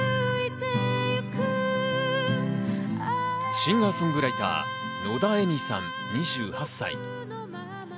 シンガー・ソングライター・野田愛実さん、２８歳。